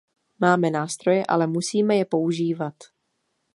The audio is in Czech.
Máme nástroje, ale musíme je používat.